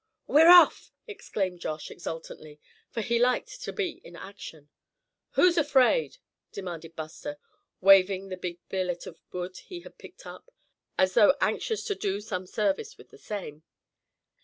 "We're off!" exclaimed Josh, exultantly, for he liked to be in action. "Who's afraid?" demanded Buster, waving the big billet of wood he had picked up, as though anxious to do some service with the same.